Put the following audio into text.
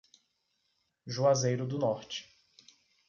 Juazeiro do Norte